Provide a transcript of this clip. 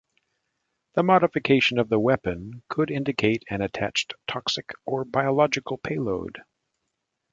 The modification of the weapon could indicate an attached toxic or biological payload.